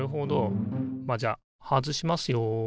まあじゃあ外しますよ。